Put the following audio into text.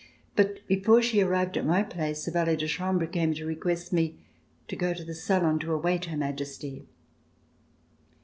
But before she arrived at my place, a valet de chambre came to request me to go to the salon to await Her Majesty.